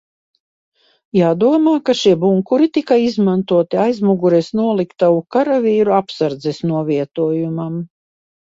Jādomā, ka šie bunkuri tika izmantoti aizmugures noliktavu karavīru apsardzes novietojumam.